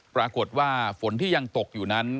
ปรากฏว่าฝนที่ยังตกอยู่นั้น